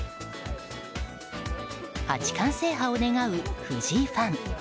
八冠制覇を願う藤井ファン。